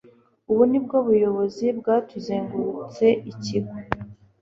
Ubu ni bwo buyobozi bwatuzengurutse ikigo.